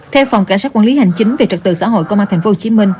theo phòng cảnh sát quản lý hành chính về trật tự xã hội công an tp hcm